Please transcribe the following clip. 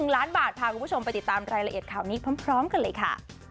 ๑ล้านบาทพาคุณผู้ชมไปติดตามรายละเอียดข่าวนี้พร้อมกันเลยค่ะ